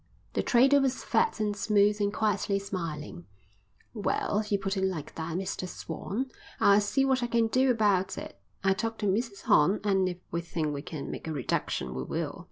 The trader was fat and smooth and quietly smiling. "Well, if you put it like that, Mr Swan, I'll see what I can do about it. I'll talk to Mrs Horn and if we think we can make a reduction we will."